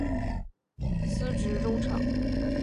司职中场。